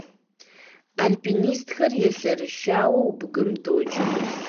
Альпинистхэр елъэрышауэу бгым докӏ.